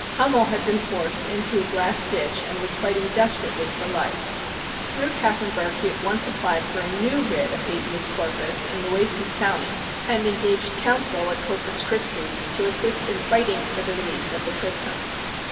Hummel had been forced into his last ditch and was fighting desperately for life. Through Kaffenburgh he at once applied for a new writ of habeas corpus in Nueces County and engaged counsel at Corpus Christie to assist in fighting for the release of the prisoner.